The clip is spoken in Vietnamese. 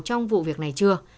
trong vụ việc này chưa